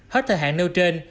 hết thời hạn nêu trên